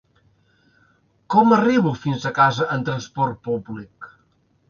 Com arribo fins a casa en transport públic?